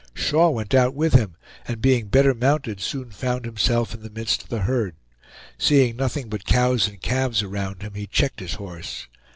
Shaw went out with him, and being better mounted soon found himself in the midst of the herd. Seeing nothing but cows and calves around him, he checked his horse.